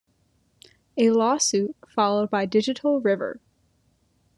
A lawsuit followed by Digital River.